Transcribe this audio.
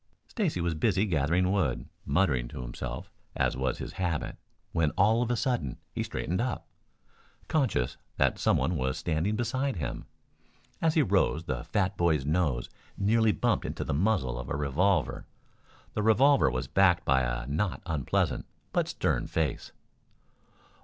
Stacy was busy gathering wood, muttering to himself as was his habit, when all of a sudden he straightened up, conscious that some one was standing beside him. As he rose the fat boy's nose nearly bumped into the muzzle of a revolver. The revolver was backed by a not unpleasant, but stern face.